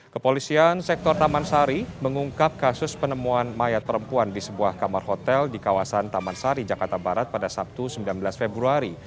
kepolisian sektor taman sari mengungkap kasus penemuan mayat perempuan di sebuah kamar hotel di kawasan taman sari jakarta barat pada sabtu sembilan belas februari